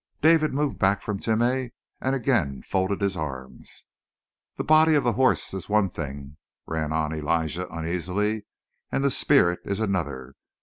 David moved back from Timeh and again folded his arms. "The body of the horse is one thing," ran on Elijah uneasily, "and the spirit is another.